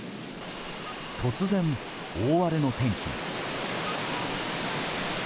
突然、大荒れの天気に。